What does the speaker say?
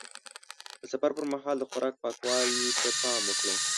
د سفر پر مهال د خوراک پاکوالي ته پام وکړه.